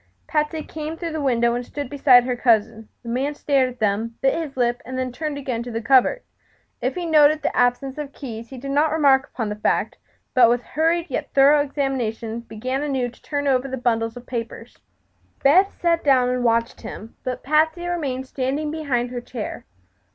Patsy came through the window and stood beside her cousin. The man stared at them, bit his lip, and then turned again to the cupboard. If he noted the absence of the keys he did not remark upon the fact, but with hurried yet thorough examination began anew to turn over the bundles of papers. Beth sat down and watched him, but Patsy remained standing behind her chair.